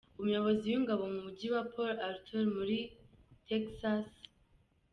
Umuyobozi w’Ingabo mu Mujyi wa Port Arthur uri muri Txas, Maj.